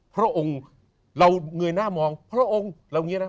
พระองค์เราเงยหน้ามองพระองค์เราอย่างนี้นะ